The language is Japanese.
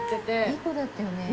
「いい子だったよね」